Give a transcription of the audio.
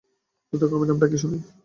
দ্রুতগামী নামটা কী শুনি।